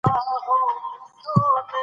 ، ته رانه پېزوان غواړې